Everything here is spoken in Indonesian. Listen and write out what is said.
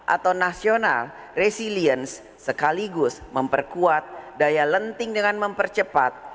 atau national resilience sekaligus memperkuat daya lenting dengan mempercepat